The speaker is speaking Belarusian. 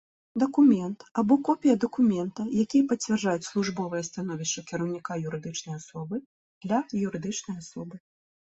Дакумент або копiя дакумента, якiя пацвярджаюць службовае становiшча кiраўнiка юрыдычнай асобы, – для юрыдычнай асобы.